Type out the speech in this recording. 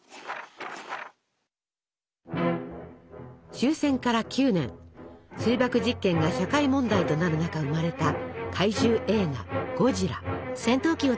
終戦から９年水爆実験が社会問題となる中生まれた怪獣映画「ゴジラ」。